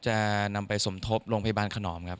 จะนำไปสมทบโรงพยาบาลขนอมครับ